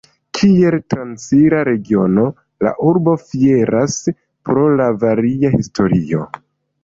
Kiel transira regiono la urbo fieras pro la varia historio.